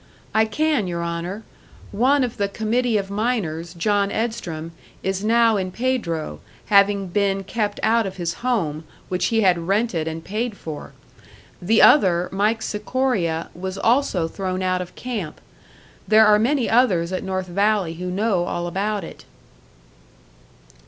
"I can, your Honour. One of the committee of miners, John Edstrom, is now in Pedro, having been kept out of his home, which he had rented and paid for. The other, Mike Sikoria, was also thrown out of camp. There are many others at North Valley who know all about it."